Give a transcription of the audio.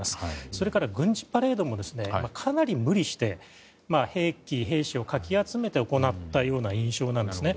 それから軍事パレードもかなり無理して兵器、兵士をかき集めて行ったような印象なんですね。